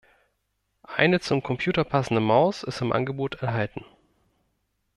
Eine zum Computer passende Maus ist im Angebot enthalten.